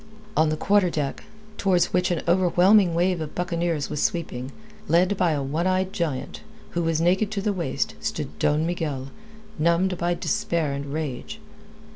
On the quarter deck, towards which an overwhelming wave of buccaneers was sweeping, led by a one eyed giant, who was naked to the waist, stood Don Miguel, numbed by despair and rage.